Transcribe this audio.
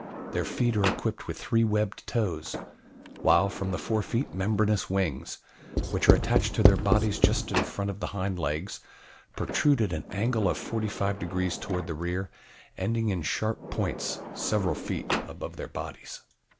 Their feet are equipped with three webbed toes, while from the fore feet membranous wings, which are attached to their bodies just in front of the hind legs, protrude at an angle of 45 degrees toward the rear, ending in sharp points several feet above their bodies.